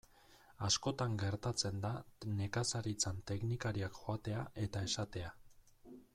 Askotan gertatzen da nekazaritzan teknikariak joatea eta esatea.